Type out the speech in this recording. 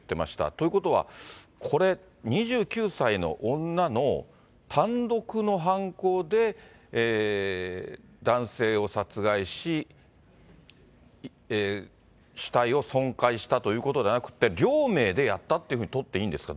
ということは、これ、２９歳の女の単独の犯行で男性を殺害し、死体を損壊したということではなくて、両名でやったっていうふうに取っていいんですか？